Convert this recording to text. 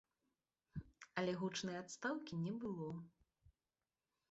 Але гучнай адстаўкі не было.